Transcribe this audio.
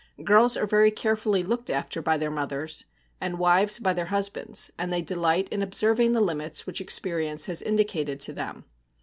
Girls are very carefully looked after by their mothers, and wives by their husbands; and they delight in observing the limits which experience has indicated to them.